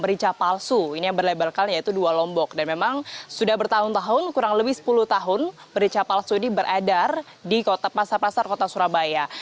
merica palsu ini yang berlabelkan yaitu dua lombok dan memang sudah bertahun tahun kurang lebih sepuluh tahun merica palsu ini beredar di pasar pasar kota surabaya